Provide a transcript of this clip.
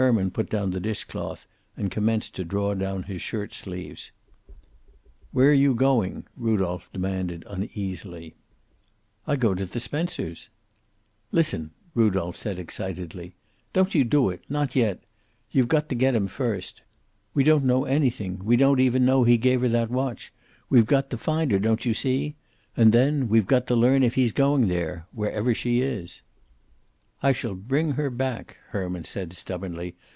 Herman put down the dish cloth and commenced to draw down his shirt sleeves. "Where you going?" Rudolph demanded uneasily. "I go to the Spencers!" "Listen!" Rudolph said, excitedly. "Don't you do it; not yet. You got to get him first. We don't know anything; we don't even know he gave her that watch. We've got to find her, don't you see? And then, we've got to learn if he's going there wherever she is." "I shall bring her back," Herman said, stubbornly.